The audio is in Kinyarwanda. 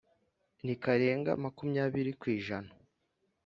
Ntikarenga makumyabiri ku ijana